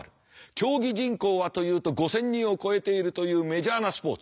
競技人口はというと５，０００人を超えているというメジャーなスポーツ。